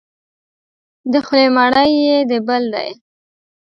د خولې مړی یې د بل دی.